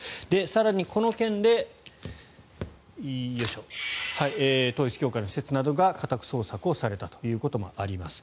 更にこの件で統一教会の施設などが家宅捜索をされたということもあります。